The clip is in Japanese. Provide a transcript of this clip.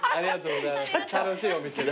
楽しいお店で。